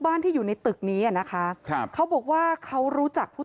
ที่อยู่ในตึกนี้อ่ะนะคะครับเขาบอกว่าเขารู้จักผู้